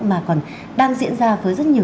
mà còn đang diễn ra với rất nhiều